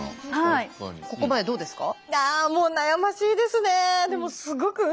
ここまでどうですか？